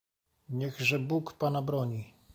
"Niechże Bóg pana broni!"